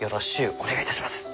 お願いいたします。